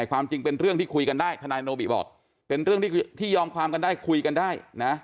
ความจริงเป็นเรื่องที่คุยกันได้